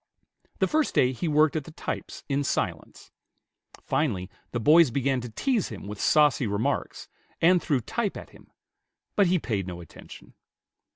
The first day he worked at the types in silence. Finally the boys began to tease him with saucy remarks, and threw type at him; but he paid no attention.